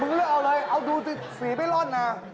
มึงเลือกเอาอะไรเอาดูสีไม่รอดน่ะ